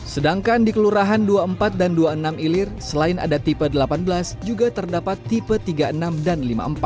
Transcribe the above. sedangkan di kelurahan dua puluh empat dan dua puluh enam ilir selain ada tipe delapan belas juga terdapat tipe tiga puluh enam dan lima puluh empat